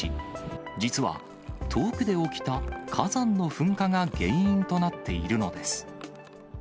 実は、遠くで起きた火山の噴火が原因となっているのです。